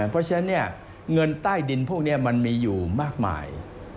เพราะฉะนั้นเงินใต้ดินพวกนี้มันมีอยู่มากมาย